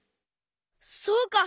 そうか。